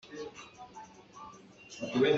Cangai na khorh bal maw?